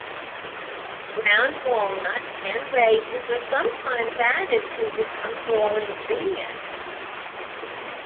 Ground walnut and raisins are sometimes added to the rum ball ingredients.